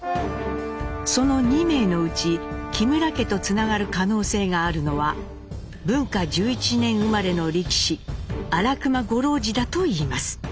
その２名のうち木村家とつながる可能性があるのは文化１１年生まれの力士荒熊五郎治だといいます。